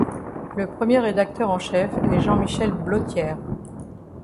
Le premier rédacteur en chef est Jean-Michel Blottière.